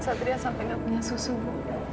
satria sampai tidak punya susu bu